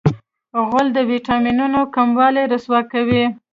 غول د وېټامینونو کموالی رسوا کوي.